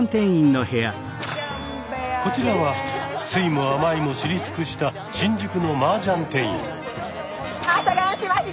こちらは酸いも甘いも知り尽くした新宿のマージャン店員。